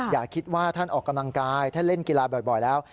อย่าคิดว่าท่านออกกำลังกายท่านเล่นกีฬาบ่อยแล้ว